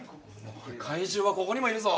怪獣はここにもいるぞ。